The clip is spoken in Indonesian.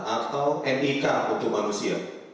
atau nik untuk manusia